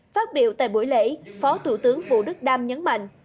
phát biểu tại buổi lễ phó thủ tướng vũ đức đam nhấn mạnh